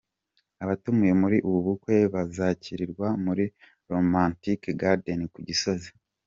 Abatumiwe muri ubu bukwe bazakirirwa muri Romantic Gardern ku Gisozi.